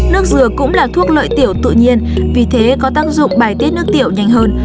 nước dừa cũng là thuốc lợi tiểu tự nhiên vì thế có tác dụng bài tiết nước tiểu nhanh hơn